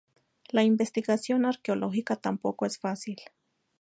La investigación arqueológica tampoco es fácil.